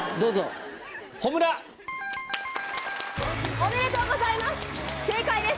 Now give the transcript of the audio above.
おめでとうございます！